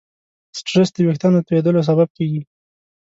سټرېس د وېښتیانو د تویېدلو سبب کېږي.